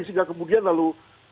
sehingga kemudian lalu